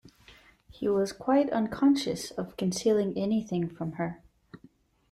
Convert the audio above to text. He was quite unconscious of concealing anything from her.